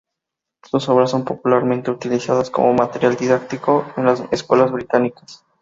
Sus obras son popularmente utilizadas como material didáctico en las escuelas británicas.